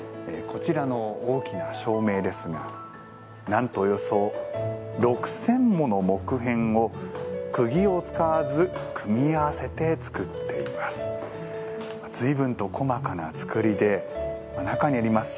こちらの大きな照明ですがなんとおよそ６０００もの木片をくぎを使わず組み合わせて作っています。